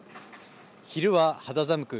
昼は肌寒く